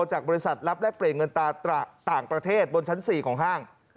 จากบริษัทรับแลกเปลี่ยนเงินตาต่างประเทศบนชั้น๔ของห้าง